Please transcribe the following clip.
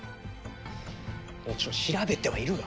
もちろん調べてはいるが。